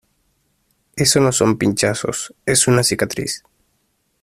eso no son pinchazos, es una cicatriz